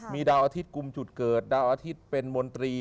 มีดาวอาทิตย์กลุ่มจุดเกิดดาวอาทิตย์เป็นมนตรี